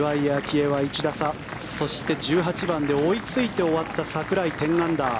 愛は１打差そして１８番で追いついて終わった櫻井、１０アンダー。